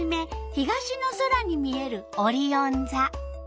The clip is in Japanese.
東の空に見えるオリオンざ。